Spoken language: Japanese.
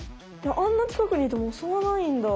あんなちかくにいても襲わないんだ。